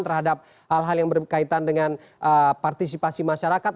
terhadap hal hal yang berkaitan dengan partisipasi masyarakat